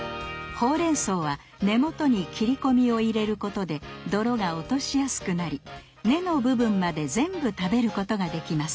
ほうれんそうは根元に切り込みを入れることで泥が落としやすくなり根の部分まで全部食べることができます。